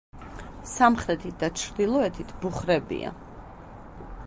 სამხრეთით და ჩრდილოეთით ბუხრებია.